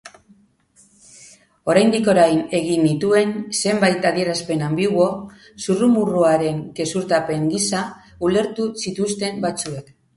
Oraindik orain egin nituen zenbait adierazpen anbiguo zurrumurruaren gezurtapen gisa ulertu zituzten batzuek.